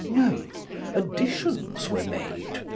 No. Additions were made.